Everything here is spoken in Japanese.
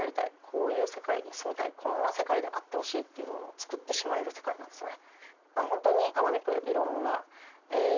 こういう世界に住みたいこんな世界であってほしいっていうものを作ってしまえる世界なんですね。